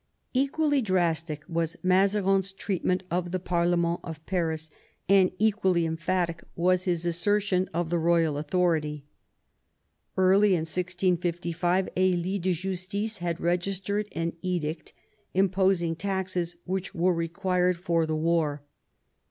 Equally drastic was Mazarin's treatment of the parle ment of Paris, and equally emphatic was his assertion of K 180 MAZARIN chap. the royal authority. Early in 1655 a lit de justice had registered an edict imposing taxes which were required for the war.